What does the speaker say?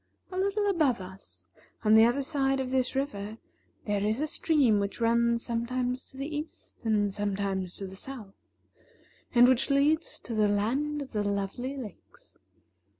A little above us, on the other side of this river, there is a stream which runs sometimes to the east and sometimes to the south, and which leads to the Land of the Lovely Lakes.